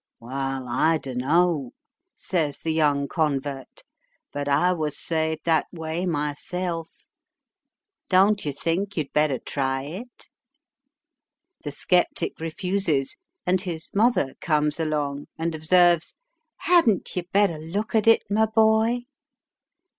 "Wall, I dunno," says the young convert, "but I was saved that way myself. Don't you think you'd better try it?" The sceptic refuses, and his mother "comes along," and observes, "Hadn't you better look at it, my boy?"